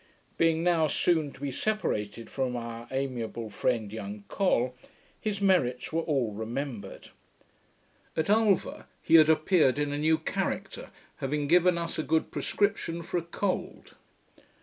Being now soon to be separated from our amiable friend young Col, his merits were all remembered. At Ulva he had appeared in a new character, having given us a good prescription for a cold.